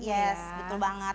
yes betul banget